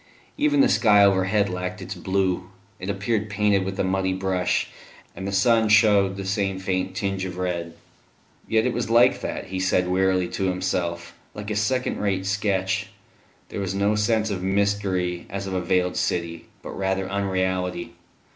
Even the sky overhead lacked its blue; it appeared painted with a muddy brush, and the sun shewed the same faint tinge of red. Yes, it was like that, he said wearily to himself like a second rate sketch; there was no sense of mystery as of a veiled city, but rather unreality.